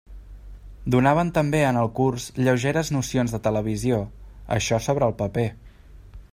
Donaven també en el curs lleugeres nocions de televisió, això sobre el paper.